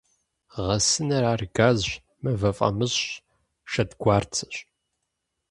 Гъэсыныр — ар газщ, мывэ фӀамыщӀщ, шэдгуарцэщ.